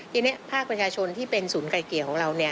ทีนี้ภาคประชาชนที่เป็นศูนย์ไก่เกลี่ยของเรา